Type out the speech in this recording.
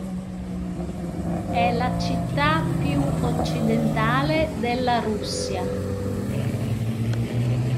È la città più occidentale della Russia.